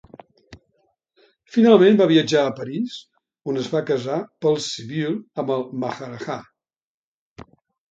Finalment, va viatjar a París on es va casar pel civil amb el maharajà.